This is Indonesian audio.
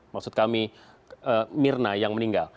maksud kami mirna yang meninggal